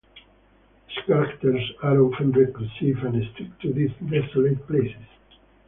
His characters are often reclusive, and stick to these desolate places.